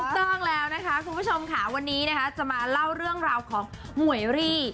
ต้องแล้วนะคะคุณผู้ชมค่ะวันนี้นะคะจะมาเล่าเรื่องราวของหมวยรี่